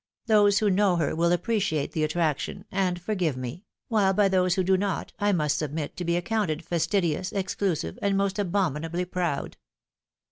Those who know her wUl appreciate the attraction, and forgive me ; while by those who do not, I must submit to be accounted fastidious, exclusive, and most abominably proud."